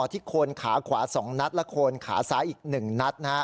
โคนขาขวา๒นัดและโคนขาซ้ายอีก๑นัด